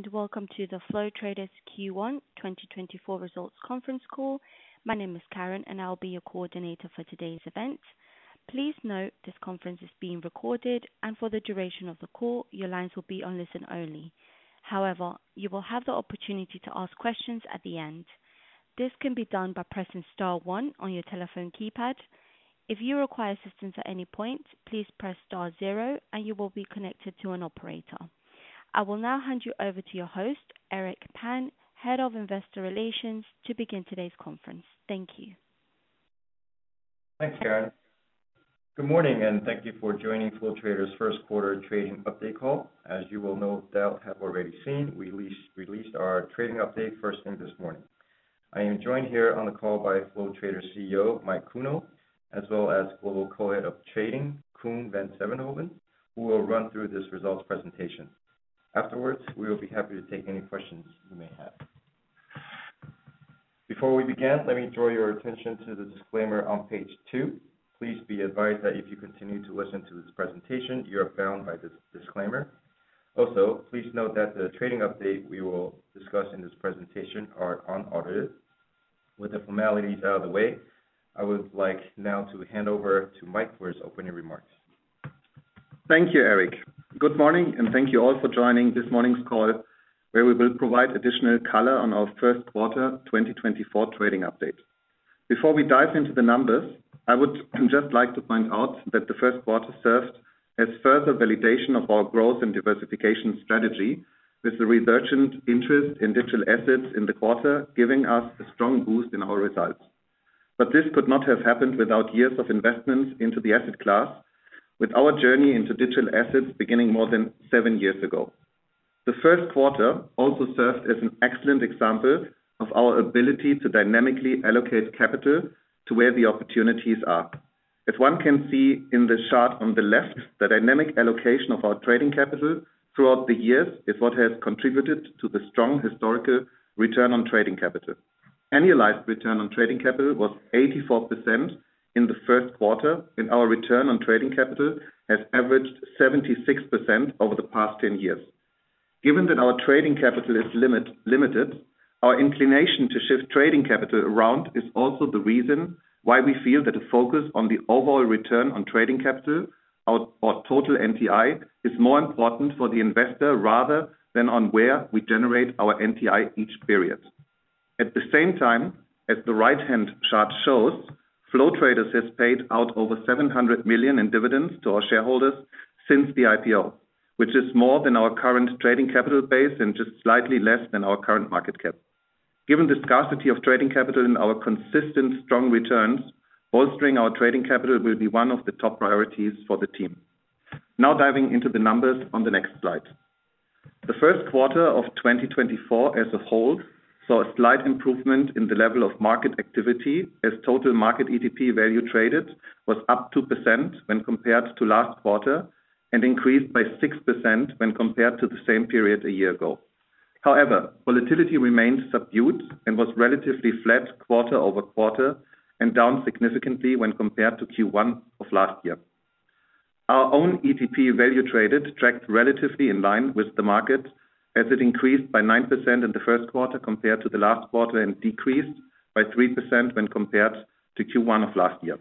Hello and welcome to the Flow Traders Q1 2024 results conference call. My name is Karen, and I'll be your coordinator for today's event. Please note this conference is being recorded, and for the duration of the call your lines will be on listen only. However, you will have the opportunity to ask questions at the end. This can be done by pressing star 1 on your telephone keypad. If you require assistance at any point, please press star 0 and you will be connected to an operator. I will now hand you over to your host, Eric Pan, Head of Investor Relations, to begin today's conference. Thank you. Thanks, Karen. Good morning, and thank you for joining Flow Traders' first quarter trading update call. As you will no doubt have already seen, we just released our trading update first thing this morning. I am joined here on the call by Flow Traders CEO Mike Kuehnel, as well as Global Co-Head of Trading, Coen van Sevenhoven, who will run through this results presentation. Afterwards, we will be happy to take any questions you may have. Before we begin, let me draw your attention to the disclaimer on page 2. Please be advised that if you continue to listen to this presentation, you are bound by this disclaimer. Also, please note that the trading update we will discuss in this presentation is unaudited. With the formalities out of the way, I would like now to hand over to Mike for his opening remarks. Thank you, Eric. Good morning, and thank you all for joining this morning's call where we will provide additional color on our first quarter 2024 trading update. Before we dive into the numbers, I would just like to point out that the first quarter served as further validation of our growth and diversification strategy, with the resurgent interest in digital assets in the quarter giving us a strong boost in our results. But this could not have happened without years of investments into the asset class, with our journey into digital assets beginning more than seven years ago. The first quarter also served as an excellent example of our ability to dynamically allocate capital to where the opportunities are. As one can see in the chart on the left, the dynamic allocation of our trading capital throughout the years is what has contributed to the strong historical return on trading capital. Annualized return on trading capital was 84% in the first quarter, and our return on trading capital has averaged 76% over the past 10 years. Given that our trading capital is limited, our inclination to shift trading capital around is also the reason why we feel that a focus on the overall return on trading capital, our total NTI, is more important for the investor rather than on where we generate our NTI each period. At the same time, as the right-hand chart shows, Flow Traders has paid out over 700 million in dividends to our shareholders since the IPO, which is more than our current trading capital base and just slightly less than our current market cap. Given the scarcity of trading capital and our consistent strong returns, bolstering our trading capital will be one of the top priorities for the team. Now diving into the numbers on the next slide. The first quarter of 2024 as a whole saw a slight improvement in the level of market activity, as total market ETP value traded was up 2% when compared to last quarter and increased by 6% when compared to the same period a year ago. However, volatility remained subdued and was relatively flat quarter-over-quarter and down significantly when compared to Q1 of last year. Our own ETP value traded tracked relatively in line with the market, as it increased by 9% in the first quarter compared to the last quarter and decreased by 3% when compared to Q1 of last year.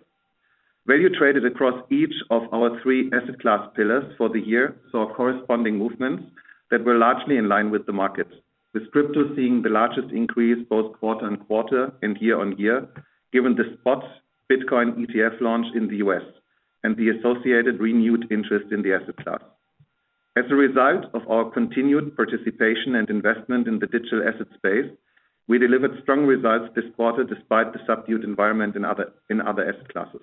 Value traded across each of our three asset class pillars for the year saw corresponding movements that were largely in line with the market, with crypto seeing the largest increase both quarter-on-quarter and year-on-year given the spot Bitcoin ETF launch in the U.S. and the associated renewed interest in the asset class. As a result of our continued participation and investment in the digital asset space, we delivered strong results this quarter despite the subdued environment in other asset classes.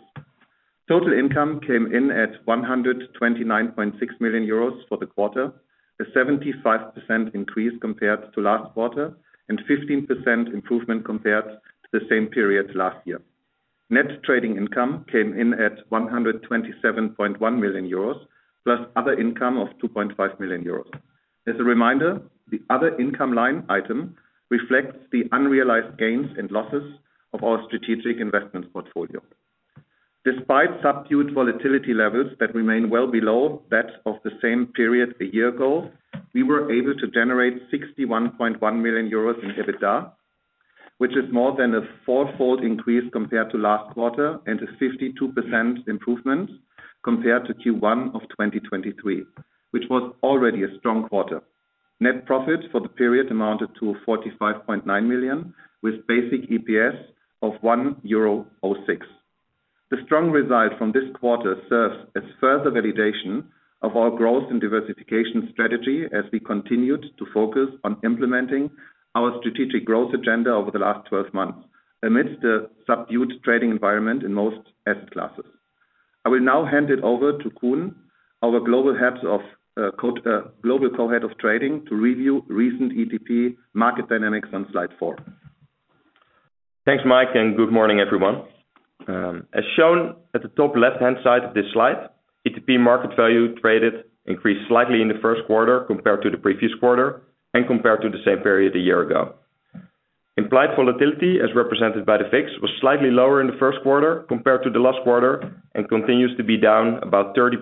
Total income came in at 129.6 million euros for the quarter, a 75% increase compared to last quarter and 15% improvement compared to the same period last year. Net trading income came in at 127.1 million euros plus other income of 2.5 million euros. As a reminder, the other income line item reflects the unrealized gains and losses of our strategic investments portfolio. Despite subdued volatility levels that remain well below that of the same period a year ago, we were able to generate 61.1 million euros in EBITDA, which is more than a fourfold increase compared to last quarter and a 52% improvement compared to Q1 of 2023, which was already a strong quarter. Net profit for the period amounted to 45.9 million, with basic EPS of 1.06 euro. The strong result from this quarter serves as further validation of our growth and diversification strategy as we continued to focus on implementing our strategic growth agenda over the last 12 months amidst the subdued trading environment in most asset classes. I will now hand it over to Coen, our Global Co-Head of Trading, to review recent ETP market dynamics on slide 4. Thanks, Mike, and good morning, everyone. As shown at the top left-hand side of this slide, ETP market value traded increased slightly in the first quarter compared to the previous quarter and compared to the same period a year ago. Implied volatility, as represented by the VIX, was slightly lower in the first quarter compared to the last quarter and continues to be down about 30%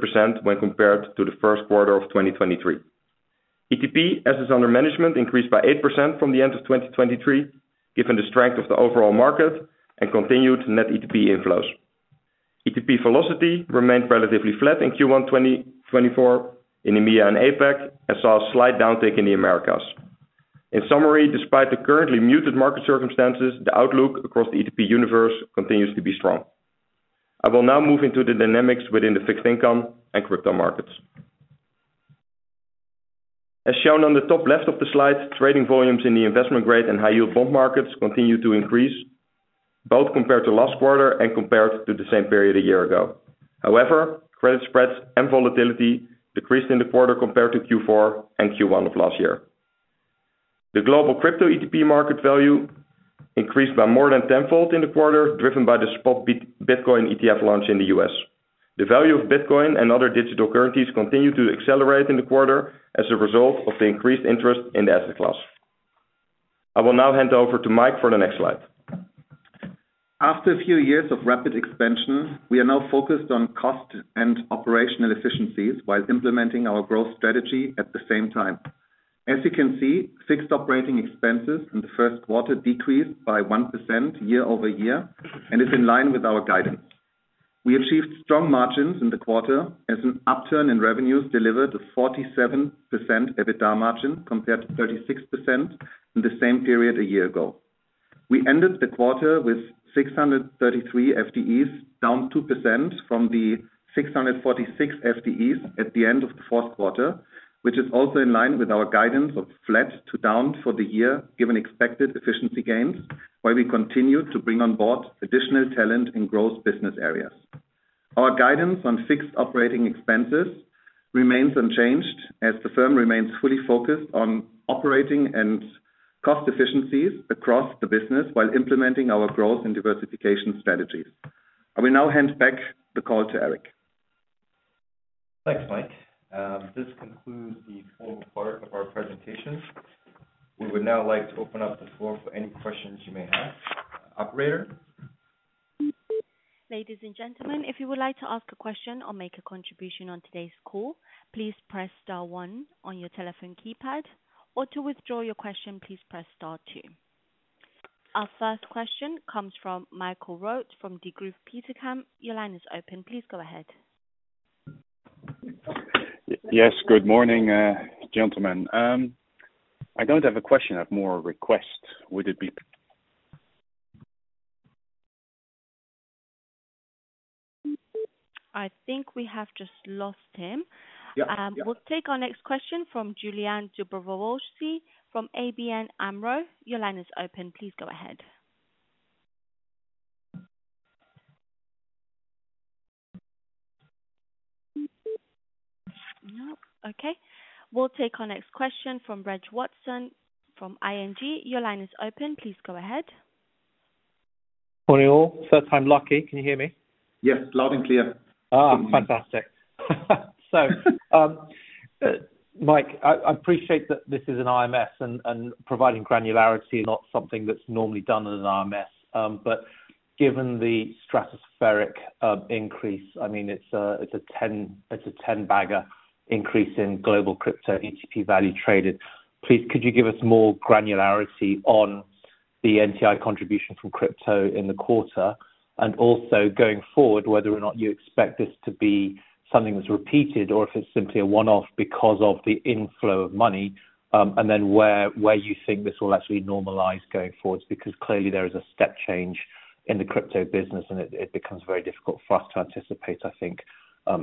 when compared to the first quarter of 2023. ETP assets under management increased by 8% from the end of 2023 given the strength of the overall market and continued net ETP inflows. ETP velocity remained relatively flat in Q1 2024 in EMEA and APAC and saw a slight downtick in the Americas. In summary, despite the currently muted market circumstances, the outlook across the ETP universe continues to be strong. I will now move into the dynamics within the fixed income and crypto markets. As shown on the top left of the slide, trading volumes in the investment grade and high-yield bond markets continue to increase, both compared to last quarter and compared to the same period a year ago. However, credit spreads and volatility decreased in the quarter compared to Q4 and Q1 of last year. The global crypto ETP market value increased by more than tenfold in the quarter, driven by the spot Bitcoin ETF launch in the U.S. The value of Bitcoin and other digital currencies continued to accelerate in the quarter as a result of the increased interest in the asset class. I will now hand over to Mike for the next slide. After a few years of rapid expansion, we are now focused on cost and operational efficiencies while implementing our growth strategy at the same time. As you can see, fixed operating expenses in the first quarter decreased by 1% year-over-year and is in line with our guidance. We achieved strong margins in the quarter as an upturn in revenues delivered a 47% EBITDA margin compared to 36% in the same period a year ago. We ended the quarter with 633 FTEs down 2% from the 646 FTEs at the end of the fourth quarter, which is also in line with our guidance of flat to down for the year given expected efficiency gains where we continue to bring on board additional talent in growth business areas. Our guidance on fixed operating expenses remains unchanged as the firm remains fully focused on operating and cost efficiencies across the business while implementing our growth and diversification strategies. I will now hand back the call to Eric. Thanks, Mike. This concludes the formal part of our presentation. We would now like to open up the floor for any questions you may have. Operator. Ladies and gentlemen, if you would like to ask a question or make a contribution on today's call, please press star 1 on your telephone keypad. Or to withdraw your question, please press star 2. Our first question comes from Michael Roeg from Degroof Petercam. Your line is open. Please go ahead. Yes, good morning, gentlemen. I don't have a question. I have more requests. Would it be? I think we have just lost him. We'll take our next question from Iulian Dubrovschi from ABN AMRO. Your line is open. Please go ahead. Nope. Okay. We'll take our next question from Reg Watson from ING. Your line is open. Please go ahead. Morning all. First time lucky. Can you hear me? Yes. Loud and clear. Fantastic. So, Mike, I appreciate that this is an IMS and providing granularity. Not something that's normally done at an IMS. But given the stratospheric increase, I mean, it's a 10-bagger increase in global crypto ETP value traded. Could you give us more granularity on the NTI contribution from crypto in the quarter? And also going forward, whether or not you expect this to be something that's repeated or if it's simply a one-off because of the inflow of money, and then where you think this will actually normalize going forward because clearly there is a step change in the crypto business and it becomes very difficult for us to anticipate, I think,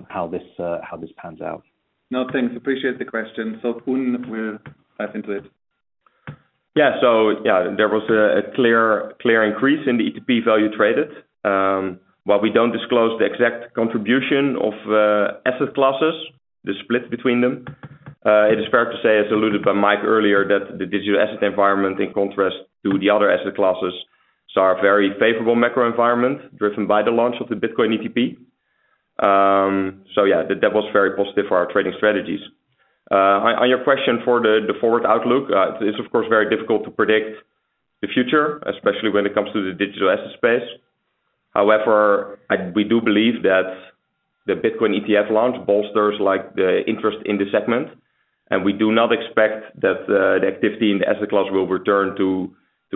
how this pans out. No, thanks. Appreciate the question. So, Coen, we'll dive into it. Yeah. So, yeah, there was a clear increase in the ETP value traded. While we don't disclose the exact contribution of asset classes, the split between them, it is fair to say, as alluded by Mike earlier, that the digital asset environment, in contrast to the other asset classes, saw a very favorable macro environment driven by the launch of the Bitcoin ETP. So, yeah, that was very positive for our trading strategies. On your question for the forward outlook, it's, of course, very difficult to predict the future, especially when it comes to the digital asset space. However, we do believe that the Bitcoin ETF launch bolsters the interest in the segment, and we do not expect that the activity in the asset class will return to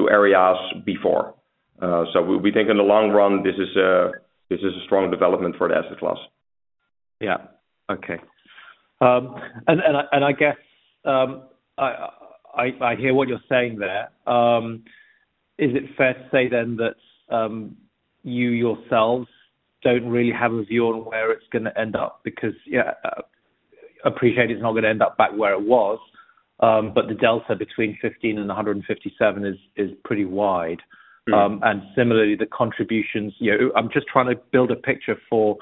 areas before. So we think in the long run, this is a strong development for the asset class. Yeah. Okay. And I guess I hear what you're saying there. Is it fair to say then that you yourselves don't really have a view on where it's going to end up? Because, yeah, I appreciate it's not going to end up back where it was, but the delta between 15 and 157 is pretty wide. And similarly, the contributions I'm just trying to build a picture for,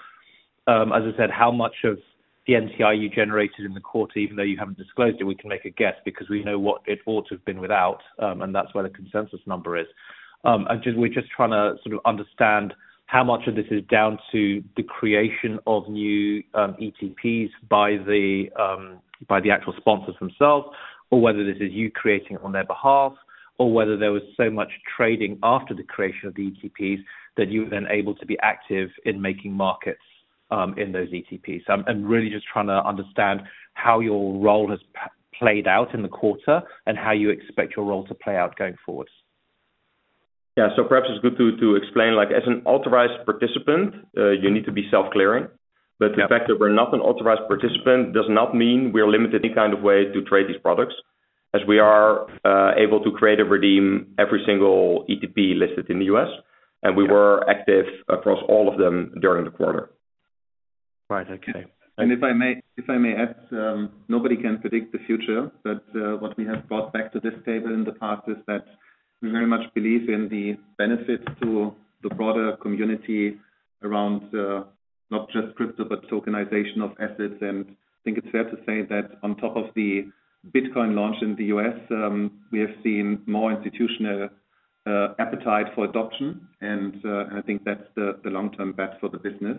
as I said, how much of the NTI you generated in the quarter, even though you haven't disclosed it, we can make a guess because we know what it ought to have been without, and that's where the consensus number is. We're just trying to sort of understand how much of this is down to the creation of new ETPs by the actual sponsors themselves, or whether this is you creating it on their behalf, or whether there was so much trading after the creation of the ETPs that you were then able to be active in making markets in those ETPs. I'm really just trying to understand how your role has played out in the quarter and how you expect your role to play out going forward. Yeah. So perhaps it's good to explain. As an Authorized Participant, you need to be self-clearing. But the fact that we're not an Authorized Participant does not mean we're limited. Kind of way to trade these products, as we are able to create and redeem every single ETP listed in the U.S., and we were active across all of them during the quarter. Right. Okay. And if I may add, nobody can predict the future. But what we have brought back to this table in the past is that we very much believe in the benefits to the broader community around not just crypto, but tokenization of assets. And I think it's fair to say that on top of the Bitcoin launch in the U.S., we have seen more institutional appetite for adoption. And I think that's the long-term bet for the business,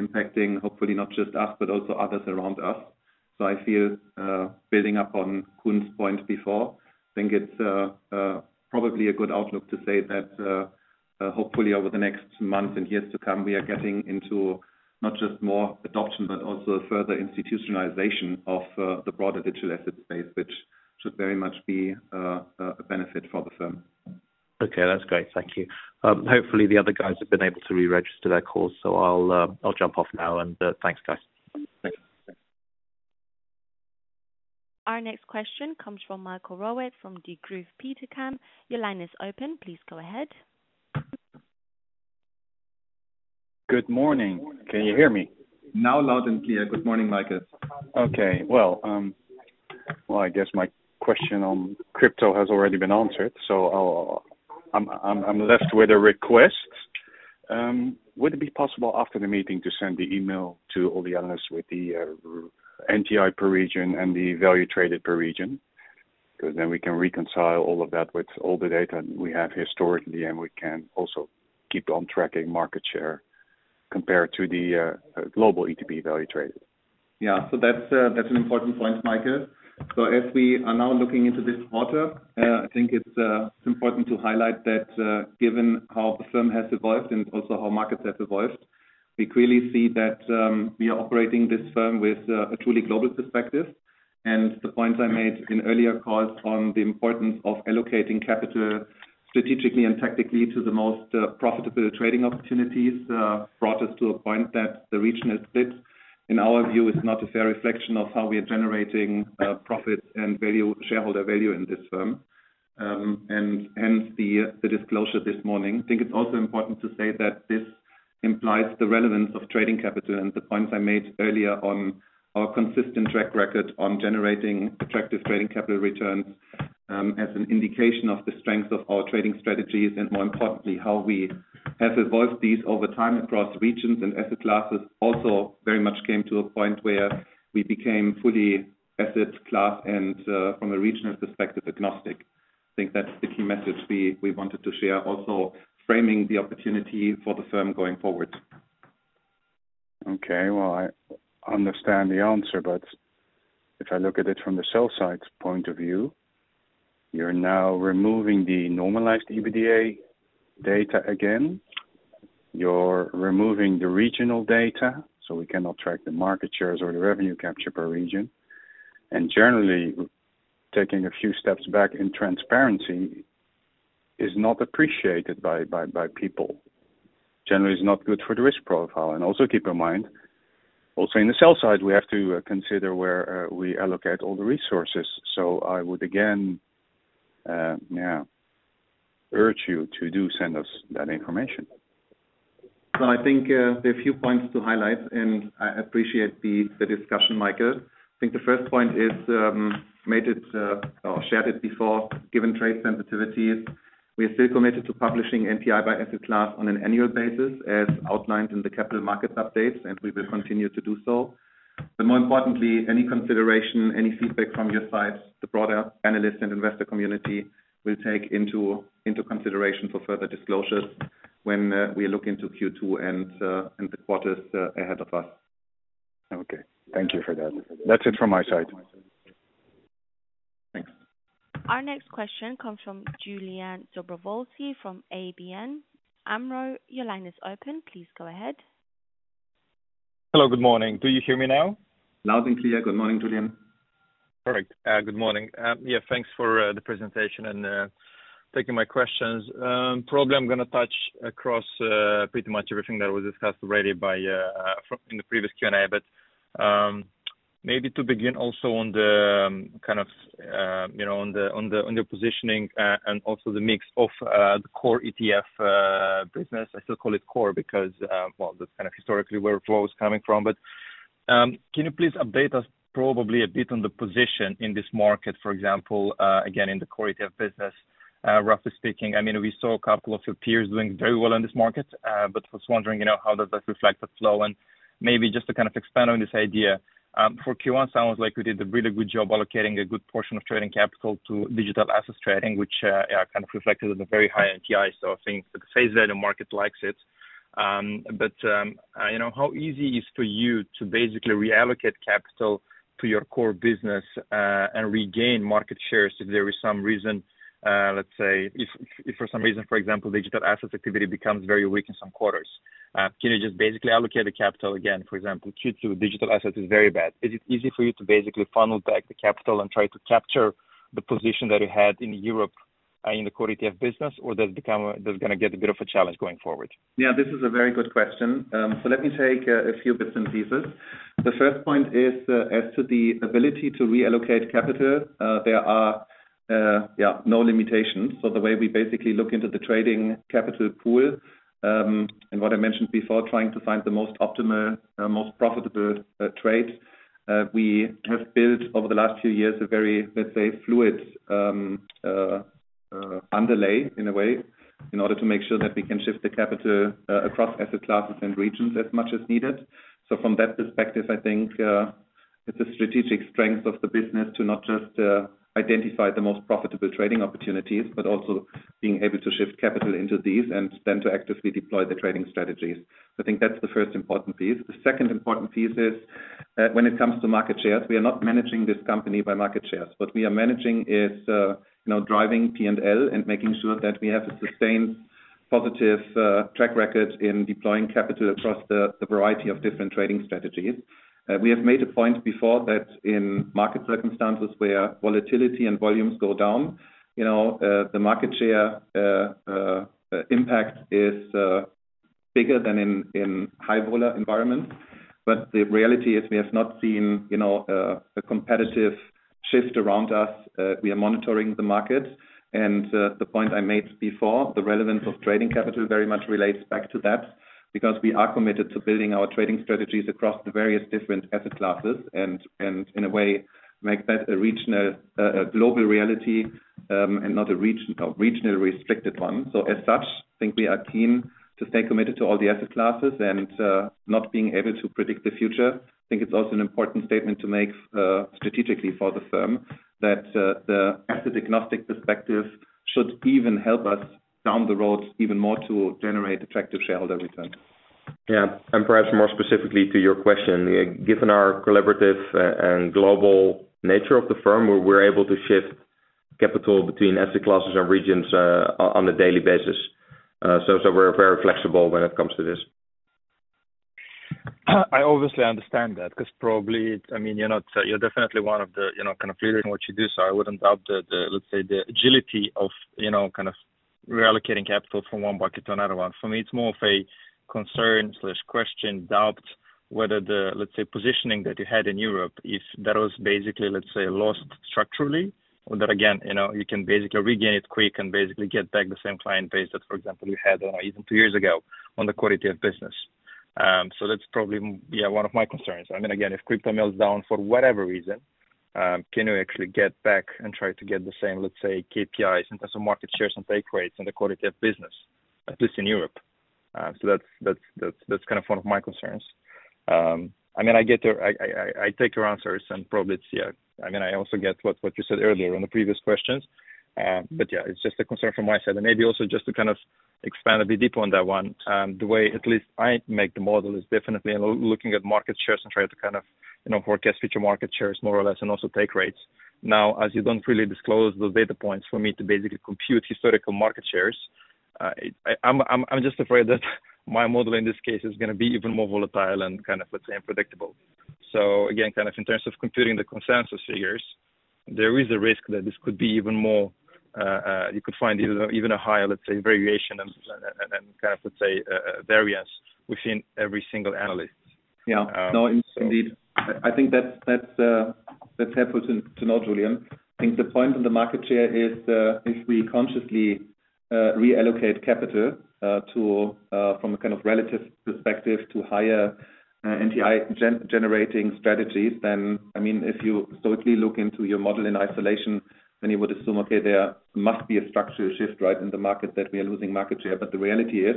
impacting hopefully not just us, but also others around us. So I feel, building up on Coen's point before, I think it's probably a good outlook to say that hopefully over the next months and years to come, we are getting into not just more adoption, but also further institutionalization of the broader digital asset space, which should very much be a benefit for the firm. Okay. That's great. Thank you. Hopefully, the other guys have been able to re-register their calls, so I'll jump off now. And thanks, guys. Thanks. Our next question comes from Michael Roeg from Degroof Petercam. Your line is open. Please go ahead. Good morning. Can you hear me? Now loud and clear. Good morning, Mike. Okay. Well, I guess my question on crypto has already been answered, so I'm left with a request. Would it be possible after the meeting to send the email to all the others with the NTI per region and the value traded per region? Because then we can reconcile all of that with all the data we have historically, and we can also keep on tracking market share compared to the global ETP value traded. Yeah. So that's an important point, Mike. So as we are now looking into this quarter, I think it's important to highlight that given how the firm has evolved and also how markets have evolved, we clearly see that we are operating this firm with a truly global perspective. And the points I made in earlier calls on the importance of allocating capital strategically and tactically to the most profitable trading opportunities brought us to a point that the regional split, in our view, is not a fair reflection of how we are generating profits and shareholder value in this firm. And hence the disclosure this morning. I think it's also important to say that this implies the relevance of trading capital and the points I made earlier on our consistent track record on generating attractive trading capital returns as an indication of the strength of our trading strategies. More importantly, how we have evolved these over time across regions and asset classes also very much came to a point where we became fully asset class and, from a regional perspective, agnostic. I think that's the key message we wanted to share, also framing the opportunity for the firm going forward. Okay. Well, I understand the answer, but if I look at it from the sell-side point of view, you're now removing the normalized EBITDA data again. You're removing the regional data so we cannot track the market shares or the revenue capture per region. And generally, taking a few steps back in transparency is not appreciated by people. Generally, it's not good for the risk profile. And also keep in mind, also in the sell side, we have to consider where we allocate all the resources. So I would again, yeah, urge you to do send us that information. So I think there are a few points to highlight, and I appreciate the discussion, Mike. I think the first point is made or shared it before, given trade sensitivities. We are still committed to publishing NTI by asset class on an annual basis as outlined in the capital markets updates, and we will continue to do so. But more importantly, any consideration, any feedback from your side, the broader analyst and investor community will take into consideration for further disclosures when we look into Q2 and the quarters ahead of us. Okay. Thank you for that. That's it from my side. Thanks. Our next question comes from Iulian Dubrovschi from ABN AMRO. Your line is open. Please go ahead. Hello. Good morning. Do you hear me now? Loud and clear. Good morning, Iulian. Perfect. Good morning. Yeah, thanks for the presentation and taking my questions. Probably I'm going to touch across pretty much everything that was discussed already in the previous Q&A. But maybe to begin also on the kind of on the positioning and also the mix of the core ETF business. I still call it core because, well, that's kind of historically where flow is coming from. But can you please update us probably a bit on the position in this market, for example, again, in the core ETF business, roughly speaking? I mean, we saw a couple of your peers doing very well in this market, but I was wondering how does that reflect the flow? And maybe just to kind of expand on this idea, for Q1, it sounds like we did a really good job allocating a good portion of trading capital to digital assets trading, which kind of reflected in the very high NTI. So I think the passive ETF market likes it. But how easy is it for you to basically reallocate capital to your core business and regain market shares if there is some reason? Let's say, if for some reason, for example, digital assets activity becomes very weak in some quarters, can you just basically allocate the capital again? For example, Q2, digital assets is very bad. Is it easy for you to basically funnel back the capital and try to capture the position that you had in Europe in the core ETF business, or does it become going to get a bit of a challenge going forward? Yeah, this is a very good question. So let me take a few bits and pieces. The first point is as to the ability to reallocate capital, there are, yeah, no limitations. So the way we basically look into the trading capital pool and what I mentioned before, trying to find the most optimal, most profitable trades, we have built over the last few years a very, let's say, fluid underlay in a way in order to make sure that we can shift the capital across asset classes and regions as much as needed. So from that perspective, I think it's a strategic strength of the business to not just identify the most profitable trading opportunities, but also being able to shift capital into these and then to actively deploy the trading strategies. So I think that's the first important piece. The second important piece is when it comes to market shares, we are not managing this company by market shares. What we are managing is driving P&L and making sure that we have a sustained, positive track record in deploying capital across the variety of different trading strategies. We have made a point before that in market circumstances where volatility and volumes go down, the market share impact is bigger than in high vol environments. But the reality is we have not seen a competitive shift around us. We are monitoring the markets. The point I made before, the relevance of trading capital very much relates back to that because we are committed to building our trading strategies across the various different asset classes and, in a way, make that a global reality and not a regionally restricted one. So as such, I think we are keen to stay committed to all the asset classes and not being able to predict the future. I think it's also an important statement to make strategically for the firm that the asset agnostic perspective should even help us down the road even more to generate attractive shareholder returns. Yeah. Perhaps more specifically to your question, given our collaborative and global nature of the firm, we're able to shift capital between asset classes and regions on a daily basis. So we're very flexible when it comes to this. I obviously understand that because probably, I mean, you're definitely one of the kind of leaders in what you do. So I wouldn't doubt the, let's say, the agility of kind of reallocating capital from one bucket to another one. For me, it's more of a concern/question, doubt whether the, let's say, positioning that you had in Europe, if that was basically, let's say, lost structurally, or that, again, you can basically regain it quick and basically get back the same client base that, for example, you had, I don't know, even two years ago on the core ETF business. So that's probably, yeah, one of my concerns. I mean, again, if crypto mellows down for whatever reason, can you actually get back and try to get the same, let's say, KPIs in terms of market shares and take rates in the core ETF business, at least in Europe? So that's kind of one of my concerns. I mean, I take your answers, and probably it's, yeah I mean, I also get what you said earlier on the previous questions. But yeah, it's just a concern from my side. Maybe also just to kind of expand a bit deeper on that one, the way at least I make the model is definitely looking at market shares and trying to kind of forecast future market shares more or less and also take rates. Now, as you don't really disclose the data points for me to basically compute historical market shares, I'm just afraid that my model in this case is going to be even more volatile and kind of, let's say, unpredictable. Again, kind of in terms of computing the consensus figures, there is a risk that this could be even more. You could find even a higher, let's say, variation and kind of, let's say, variance within every single analyst. Yeah. No, indeed. I think that's helpful to know, Iulian. I think the point on the market share is if we consciously reallocate capital from a kind of relative perspective to higher NTI-generating strategies, then I mean, if you stoically look into your model in isolation, then you would assume, "Okay, there must be a structural shift, right, in the market that we are losing market share." But the reality is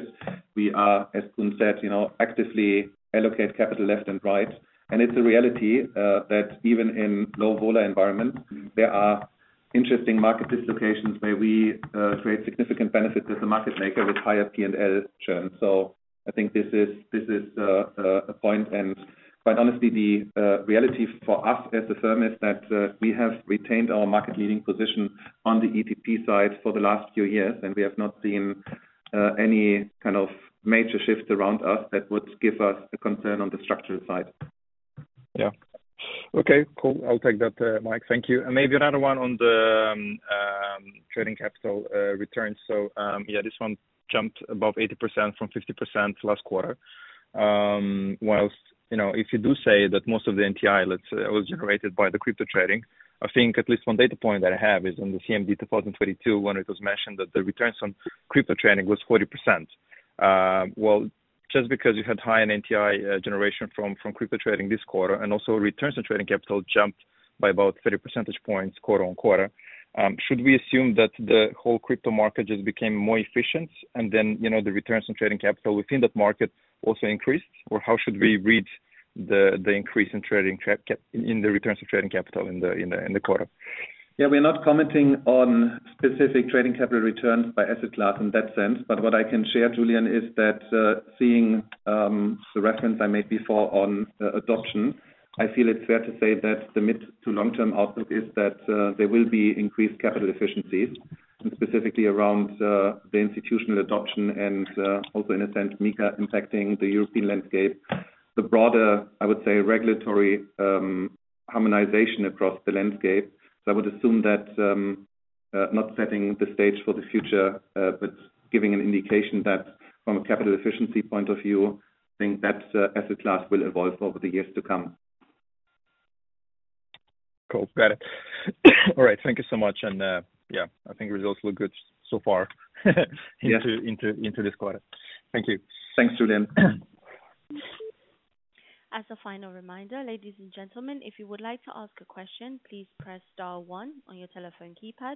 we are, as Coen said, actively allocate capital left and right. And it's a reality that even in low vol environments, there are interesting market dislocations where we create significant benefit as a market maker with higher P&L churn. So I think this is a point. Quite honestly, the reality for us as a firm is that we have retained our market-leading position on the ETP side for the last few years, and we have not seen any kind of major shift around us that would give us a concern on the structural side. Yeah. Okay. Cool. I'll take that, Mike. Thank you. And maybe another one on the trading capital returns. So yeah, this one jumped above 80% from 50% last quarter. While if you do say that most of the NTI, let's say, was generated by the crypto trading, I think at least one data point that I have is on the CMD 2022 when it was mentioned that the returns on crypto trading was 40%. Well, just because you had high NTI generation from crypto trading this quarter and also returns on trading capital jumped by about 30 percentage points quarter-on-quarter, should we assume that the whole crypto market just became more efficient and then the returns on trading capital within that market also increased? Or how should we read the increase in the returns of trading capital in the quarter? Yeah, we're not commenting on specific trading capital returns by asset class in that sense. But what I can share, Iulian, is that seeing the reference I made before on adoption, I feel it's fair to say that the mid to long-term outlook is that there will be increased capital efficiencies, and specifically around the institutional adoption and also, in a sense, MiCA impacting the European landscape, the broader, I would say, regulatory harmonization across the landscape. So I would assume that not setting the stage for the future, but giving an indication that from a capital efficiency point of view, I think that asset class will evolve over the years to come. Cool. Got it. All right. Thank you so much. And yeah, I think results look good so far into this quarter. Thank you. Thanks, Iulian. As a final reminder, ladies and gentlemen, if you would like to ask a question, please press star 1 on your telephone keypad.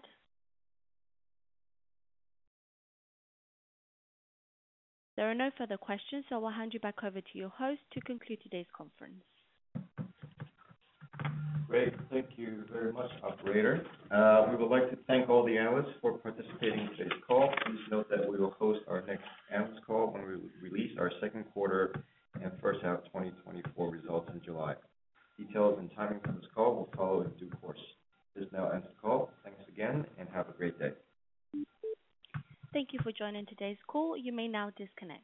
There are no further questions, so I will hand you back over to your host to conclude today's conference. Great. Thank you very much, operator. We would like to thank all the analysts for participating in today's call. Please note that we will host our next analyst call when we release our second quarter and first half 2024 results in July. Details and timing for this call will follow in due course. This now ends the call. Thanks again, and have a great day. Thank you for joining today's call. You may now disconnect.